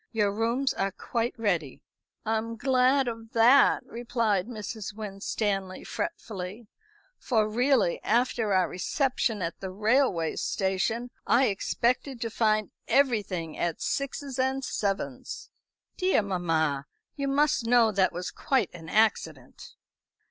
Your rooms are quite ready." "I'm glad of that," replied Mrs. Winstanley fretfully; "for really after our reception at the railway station, I expected to find everything at sixes and sevens." "Dear mamma, you must know that was quite an accident."